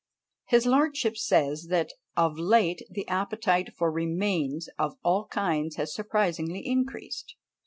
His lordship says, that "Of late the appetite for Remains of all kinds has surprisingly increased.